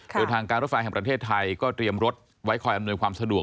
โดยทางการรถไฟแห่งประเทศไทยก็เตรียมรถไว้คอยอำนวยความสะดวก